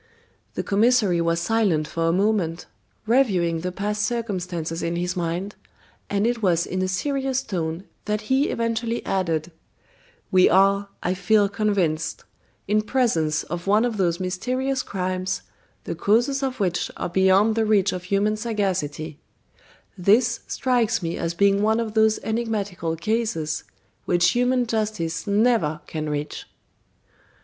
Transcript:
The commissary was silent for a moment, reviewing the past circumstances in his mind, and it was in a serious tone that he eventually added: "We are, I feel convinced, in presence of one of those mysterious crimes the causes of which are beyond the reach of human sagacity this strikes me as being one of those enigmatical cases which human justice never can reach."